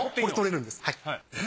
これ取れるんです。